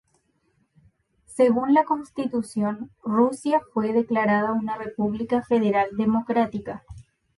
Según la constitución, Rusia fue declarada una república federal democrática.